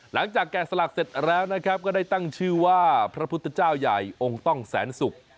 แก่สลักเสร็จแล้วนะครับก็ได้ตั้งชื่อว่าพระพุทธเจ้าใหญ่องค์ต้องแสนศุกร์